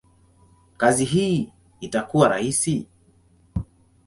kazi hii itakuwa rahisi?